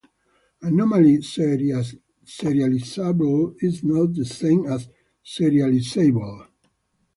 Anomaly Serializable is not the same as Serializable.